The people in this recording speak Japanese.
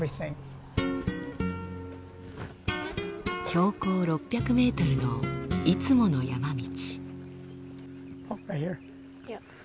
標高６００ｍのいつもの山道。